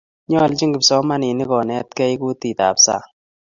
nyolchin kipsomaninik konetkei koteekab sang